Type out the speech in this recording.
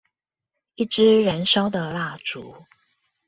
一支燃燒的蠟燭